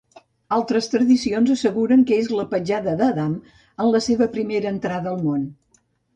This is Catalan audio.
Altres tradicions asseguren que és la petjada d'Adam, en la seva primera entrada al món.